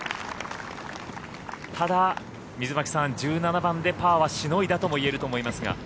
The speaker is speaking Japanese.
ただ、水巻さん、１７番でパーはしのいだともいえると思いますが。